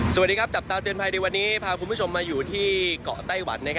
สวัสดีครับจับตาเตือนภัยในวันนี้พาคุณผู้ชมมาอยู่ที่เกาะไต้หวัน